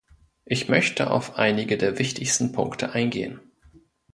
Ich möchte auf einige der wichtigsten Punkte eingehen.